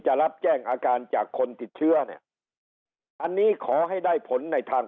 รับแจ้งอาการจากคนติดเชื้อเนี่ยอันนี้ขอให้ได้ผลในทาง